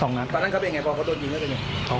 ตอนนั้นเขาไปยังไงพอเขากดโดนหรือยัง